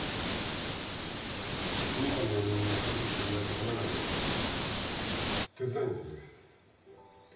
お兄さんの嫁にぶつぶつ言われちゃかなわないから手伝いに行ってくれ。